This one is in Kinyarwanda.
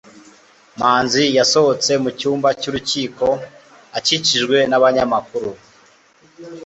manzi yasohotse mu cyumba cy'urukiko, akikijwe n'abanyamakuru